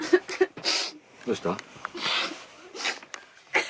どうした？